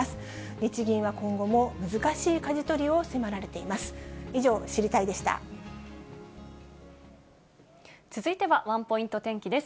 日銀は今後も難しいかじ取りを迫られています。